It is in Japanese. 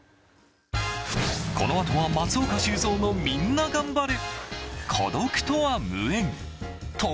このあとは松岡修造のみんながん晴れ。